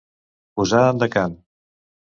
Posar en decant.